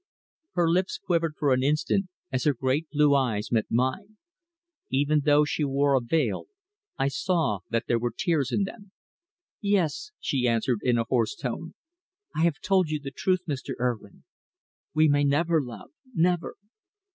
Her lips quivered for an instant as her great blue eyes met mine. Even though she wore a veil, I saw that there were tears in them. "Yes," she answered in a hoarse tone, "I have told you the truth, Mr. Urwin. We may never love never."